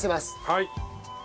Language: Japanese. はい。